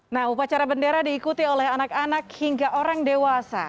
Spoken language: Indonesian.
nah upacara bendera diikuti oleh anak anak hingga orang dewasa